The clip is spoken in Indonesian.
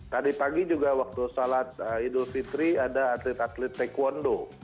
tadi pagi juga waktu salat idul fitri ada atlet atlet taekwondo